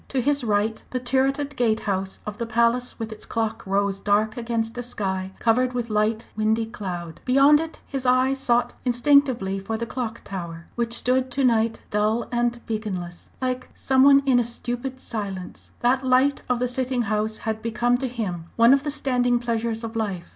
To his right the turreted gate house of the Palace with its clock rose dark against a sky covered with light, windy cloud. Beyond it his eye sought instinctively for the Clock Tower, which stood to night dull and beaconless like some one in a stupid silence. That light of the sitting House had become to him one of the standing pleasures of life.